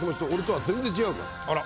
あら。